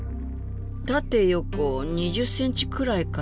縦横２０ｃｍくらいかな？